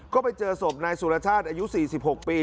ก็ไปเจอศพนายสุรชาติอายุ๔๖ปี